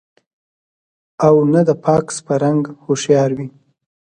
او نۀ د فاکس پۀ رنګ هوښيار وي